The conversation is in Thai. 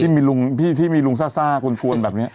มีลุงที่มีลุงซ่ากวนแบบนี้